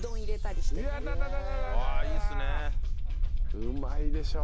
うまいでしょう。